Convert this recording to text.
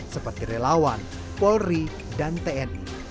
seperti relawan polri dan tni